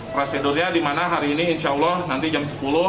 prosedurnya dimana hari ini insya allah nanti jam sepuluh